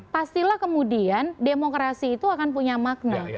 pastilah kemudian demokrasi itu akan punya makna